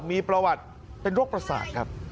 มีประวัติเป็นโรคประสาทครับ